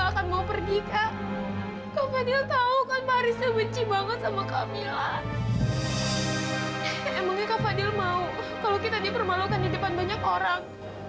emangnya kak fadil mau kalau kita dipermalukan di depan banyak orang